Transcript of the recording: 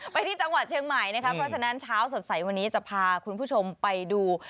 ไปที่จังหวัดเชียงใหม่นะคะเพราะฉะนั้นเช้าสดใสวันนี้จะพาคุณผู้ชมไปดู